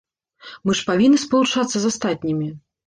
Мы ж павінны спалучацца з астатнімі.